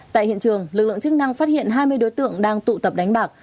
tại hiện trường lực lượng chức năng phát hiện hai mươi đối tượng đang tụ tập đánh bạc